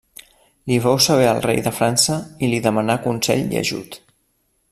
Li féu saber al rei de França i li demanà consell i ajut.